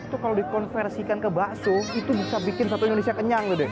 itu kalau dikonversikan ke bakso itu bisa bikin satu indonesia kenyang tuh deh